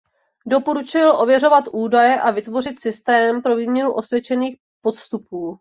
Doporučil ověřovat údaje a vytvořit systém pro výměnu osvědčených postupů.